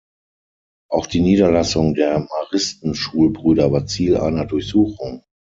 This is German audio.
Auch die Niederlassung der Maristen-Schulbrüder war Ziel einer Durchsuchung.